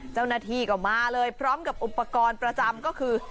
เจ้าหน้าที่ก็มาเลยพร้อมกับอุปกรณ์ประจำก็คือ